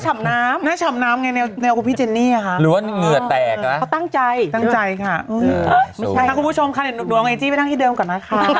หน้าฉ่ำน้ำน่ะแนวพี่เกนนี่หรือว่าตั้งใจค่ะขอลองไอทรีย์ไปนั่งที่เดิมก่อนนะคะ